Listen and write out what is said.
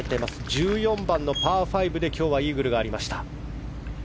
１４番のパー５で今日はイーグルがありました。